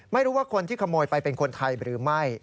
ไม่รู้ว่าคนที่ขโมยไปเป็นคนไทยหรือไม่